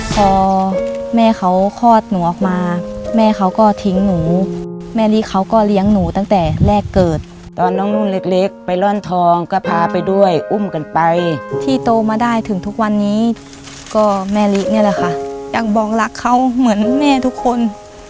พอแม่เขาคลอดหนูออกมาแม่เขาก็ทิ้งหนูแม่ลิเขาก็เลี้ยงหนูตั้งแต่แรกเกิดตอนน้องนุ่นเล็กไปร่อนทองก็พาไปด้วยอุ้มกันไปที่โตมาได้ถึงทุกวันนี้ก็แม่ลินี่แหละค่ะอยากบอกรักเขาเหมือนแม่ทุกคน